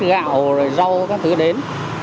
để giúp đỡ các người bị bệnh